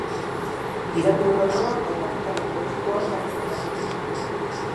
Irakurgailua aipatutako poltsikoan jartzen da.